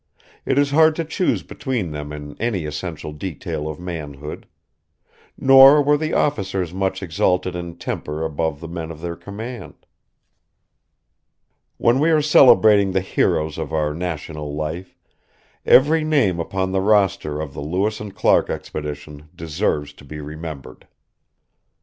It is hard to choose between them in any essential detail of manhood. Nor were the officers much exalted in temper above the men of their command. When we are celebrating the heroes of our national life, every name upon the roster of the Lewis and Clark Expedition deserves to be remembered.